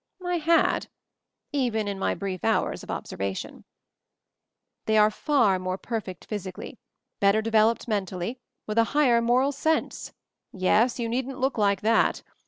I had, even in my brief hours of obser vation. "They are far more perfect physically, better developed mentally, with a higher moral sense — yes, you needn't look like that